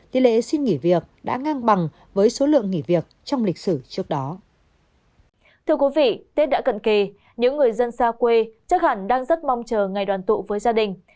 thưa quý vị tết đã cận kề những người dân xa quê chắc hẳn đang rất mong chờ ngày đoàn tụ với gia đình